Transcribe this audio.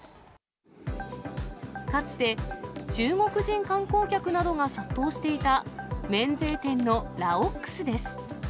かつて中国人観光客などが殺到していた免税店のラオックスです。